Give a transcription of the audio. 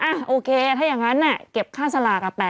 อ่ะโอเคถ้าอย่างนั้นเนี่ยเก็บค่าสลากอะ๘๐